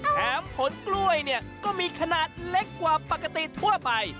ผลกล้วยเนี่ยก็มีขนาดเล็กกว่าปกติทั่วไป